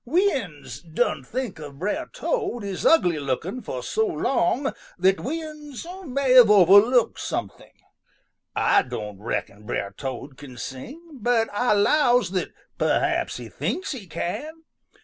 "We uns done think of Brer Toad as ugly lookin' fo' so long that we uns may have overlooked something. Ah don' reckon Brer Toad can sing, but Ah 'lows that perhaps he thinks he can.